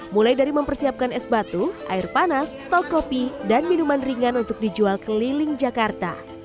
mulai dari mempersiapkan es batu air panas stok kopi dan minuman ringan untuk dijual keliling jakarta